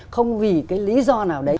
không vì cái lý do nào đấy